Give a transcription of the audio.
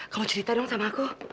kamu cerita dong sama aku